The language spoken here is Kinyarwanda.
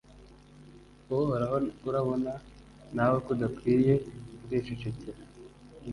Uhoraho urabona nawe ko udakwiye kwicecekera